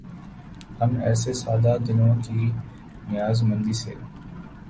ہم ایسے سادہ دلوں کی نیاز مندی سے